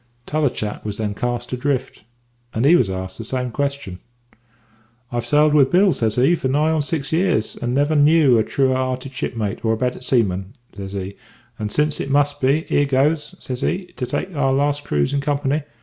"T'other chap was then cast adrift, and he was asked the same question. "`I've sailed with Bill,' says he, `for nigh on six years, and never knew a truer hearted shipmate, or a better seaman,' says he; `and since it must be, here goes,' says he, `to take our last cruise in company.'